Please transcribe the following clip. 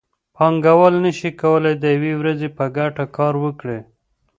پانګوال نشي کولی د یوې ورځې په ګټه کار وکړي